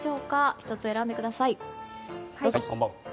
１つ選んでください。